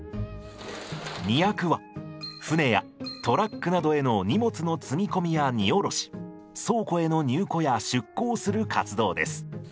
荷役は船やトラックなどへの荷物の積み込みや荷降ろし倉庫への入庫や出庫をする活動です。